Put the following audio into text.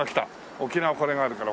沖縄これがあるから。